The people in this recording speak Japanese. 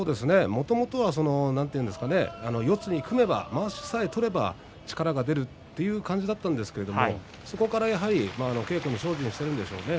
もともとは四つに組めばまわしさえ取れば力が出るという感じだったんですけれどもそこからはやっぱり稽古に精進しているんでしょうね。